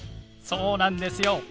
そうなんですよ。